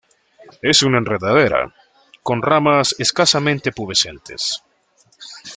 Es una enredadera; con ramas escasamente pubescentes.